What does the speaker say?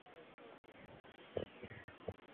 分局驻山东莘县大张家镇红庙村。